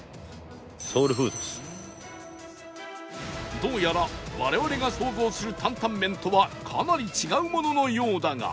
どうやら我々が想像する担々麺とはかなり違うもののようだが